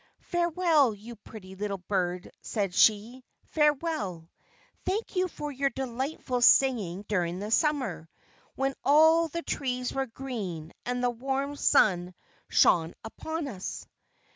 "Farewell, you pretty little bird!" said she, "farewell! Thank you for your delightful singing during the Summer, when all the trees were green, and the warm sun shone upon us."